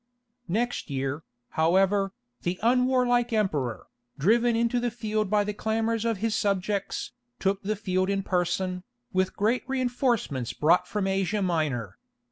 Next year, however, the unwarlike Emperor, driven into the field by the clamours of his subjects, took the field in person, with great reinforcements brought from Asia Minor.